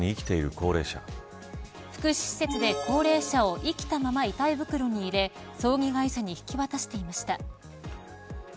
福祉施設で高齢者を生きたまま遺体袋に入れ葬儀会社に引き渡していました。